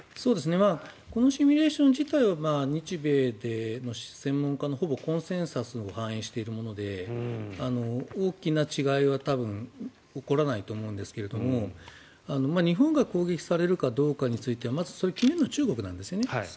このシミュレーション自体は日米の専門家のほぼコンセンサスを反映しているもので大きな違いは多分、起こらないと思うんですが日本が攻撃されるかどうかについてはまず、決めるのは中国なんですね。